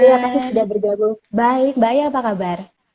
terima kasih sudah bergabung baik mbak aya apa kabar